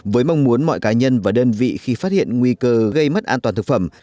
với mong muốn mọi cá nhân và đơn vị khi phát hiện nguy cơ gây mất an toàn thực phẩm